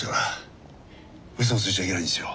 うそをついちゃいけないんですよ